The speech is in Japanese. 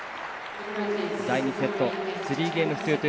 第２セット、３ゲームス２−２。